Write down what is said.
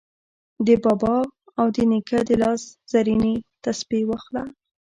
د بابا او د نیکه د لاس زرینې تسپې واخله